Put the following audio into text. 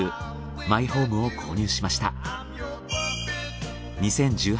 マイホームを購入しました。